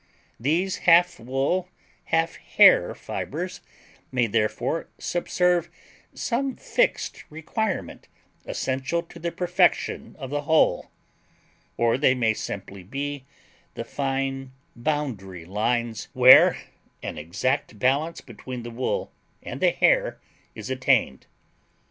These half wool, half hair fibers may therefore subserve some fixed requirement essential to the perfection of the whole, or they may simply be the fine boundary lines where and exact balance between the wool and the hair is attained.